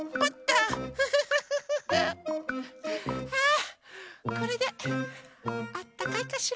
あこれであったかいかしら？